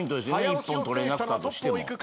一本取れなかったとしても。